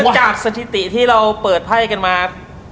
จากสถิติที่เราเปิดไพ่กันมา